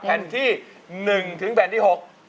แผ่นที่๑ถึงแผ่นที่๖